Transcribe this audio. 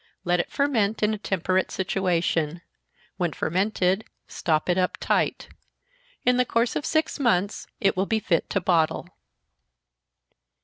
Let it ferment in a temperate situation when fermented, stop it up tight. In the course of six months it will be fit to bottle.